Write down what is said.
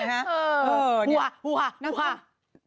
หัวหัวหัว